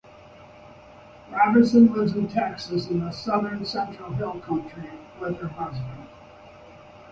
Robinson lives in Texas in the south central hill country with her husband.